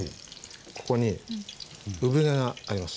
ここに産毛があります。